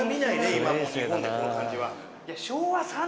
今の日本でこの感じは。